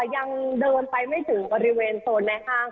ยังเดินไปไม่ถึงบริเวณโซนในห้าง